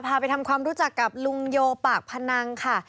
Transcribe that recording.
ไปทำความรู้จักกับลุงโยปากพนังค่ะ